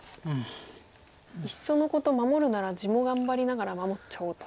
いっそのこと守るなら地も頑張りながら守っちゃおうと。